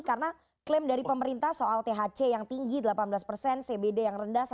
karena klaim dari pemerintah soal thc yang tinggi delapan belas cbd yang rendah satu